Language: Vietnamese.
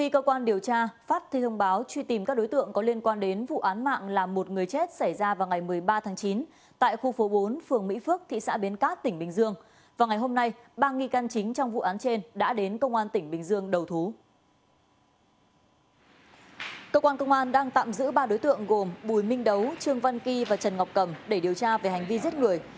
cơ quan công an đang tạm giữ ba đối tượng gồm bùi minh đấu trương văn kỳ và trần ngọc cẩm để điều tra về hành vi giết người